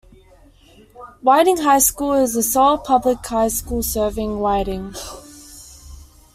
Whiting High School is the sole public high school serving Whiting.